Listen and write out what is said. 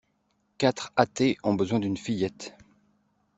Quatre athées ont besoin d'une fillette.